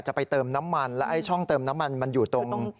ไปเติมน้ำมันแล้วไอ้ช่องเติมน้ำมันมันอยู่ตรง